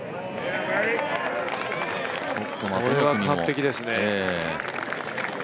これは完璧ですね。